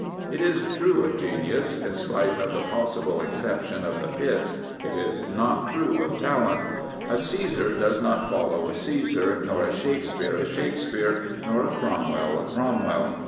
It is true of genius, in spite of the possible exception of the Pitts; it is not true of talent. A Caesar does not follow a Caesar, nor a Shakespeare a Shakespeare, nor a Crom well a Cromwell.